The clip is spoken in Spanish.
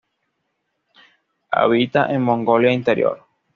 Habita en Mongolia Interior.